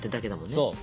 そう。